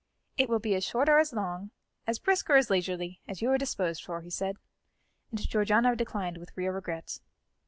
"It will be as short as, or as long, as brisk or as leisurely, as you are disposed for," he said, and Georgiana declined with real regret.